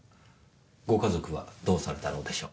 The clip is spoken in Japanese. ご家族はどうされたのでしょう？